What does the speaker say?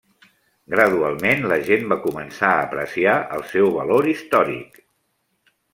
Gradualment, la gent va començar a apreciar el seu valor històric.